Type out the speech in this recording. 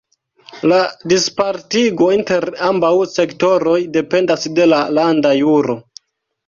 La dispartigo inter ambaŭ sektoroj dependas de la landa juro.